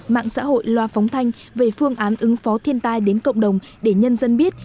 mạng xã hội loa phóng thanh về phương án ứng phó thiên tai đến cộng đồng để nhân dân biết